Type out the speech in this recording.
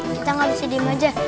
kita gak bisa diem aja